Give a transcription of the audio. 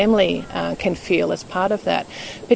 bisa merasakan sebagai bagian dari itu